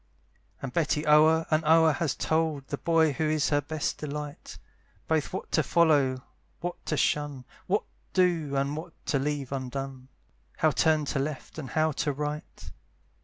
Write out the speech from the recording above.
And Betty o'er and o'er has told The boy who is her best delight, Both what to follow, what to shun, What do, and what to leave undone, How turn to left, and how to right.